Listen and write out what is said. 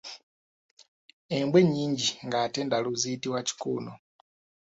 Embwa ennyingi ng’ate ndalu ziyitibwa kikuuno.